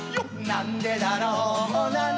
なんでだろう